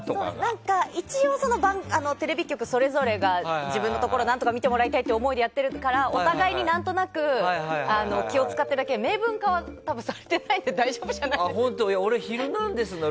一応テレビ局それぞれが自分のところを何とか見てもらいたいとやってるからお互いに何となく気を使っているだけで明文化はされてないから大丈夫じゃないですか？